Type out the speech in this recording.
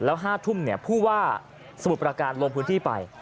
แล้ว๕ทุ่มผู้ว่าสมุทรประการลงพื้นที่ไป